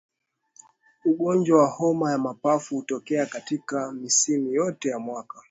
Ugonjwa wa homa ya mapafu hutokea katika misimu yote ya mwaka